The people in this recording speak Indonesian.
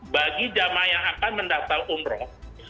bagi jemaah yang akan mendakta umroh